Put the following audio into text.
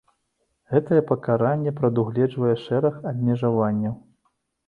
Гэтае пакаранне прадугледжвае шэраг абмежаванняў.